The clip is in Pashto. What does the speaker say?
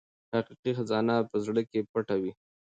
حقیقي خزانه په زړه کې پټه وي.